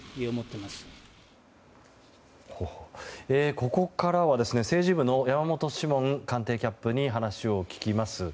ここからは政治部の山本志門官邸キャップに話を聞きます。